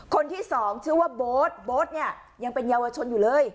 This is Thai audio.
คนที่สองชื่อว่าโบ๊ทโบ๊ทเนี่ยยังเป็นเยาวชนอยู่เลย